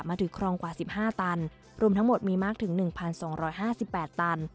มาถึงครองกว่าสิบห้าตันรวมทั้งหมดมีมากถึงหนึ่งพันสองร้อยห้าสิบแปดตัน